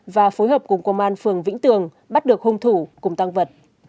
và phối hợp cùng công an phường vĩnh tường bắt được hung thủ cùng tăng vật